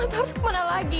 aku gak tau harus kemana lagi